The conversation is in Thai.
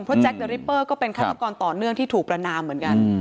เพราะแจ๊คเดอริปเปอร์ก็เป็นฆาตกรต่อเนื่องที่ถูกประนามเหมือนกัน